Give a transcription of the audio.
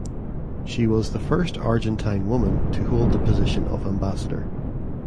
She was the first Argentine woman to hold the position of ambassador.